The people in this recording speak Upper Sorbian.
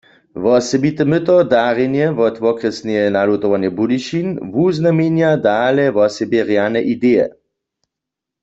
Wosebite myto, darjene wot Wokrjesneje nalutowarnje Budyšin, wuznamjenja dale wosebje rjane ideje.